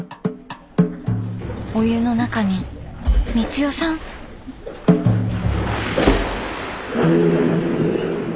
お湯の中に光代さん⁉え？